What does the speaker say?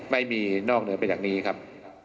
ไม่มีนอกเหนือไปจากนี้ครับ